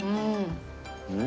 うん。